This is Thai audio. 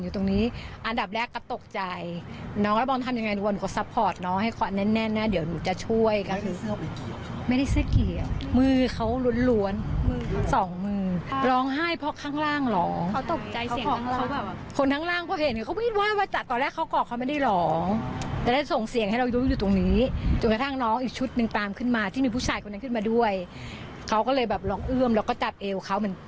ที่มีผู้ชายคนนั้นขึ้นมาด้วยเขาก็เลยแบบร้องเอื้อมแล้วก็จับเอวเขา